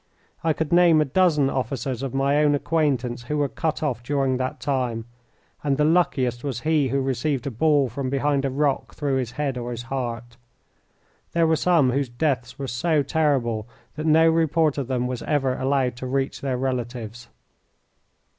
I could name a dozen officers of my own acquaintance who were cut off during that time, and the luckiest was he who received a ball from behind a rock through his head or his heart. There were some whose deaths were so terrible that no report of them was ever allowed to reach their relatives.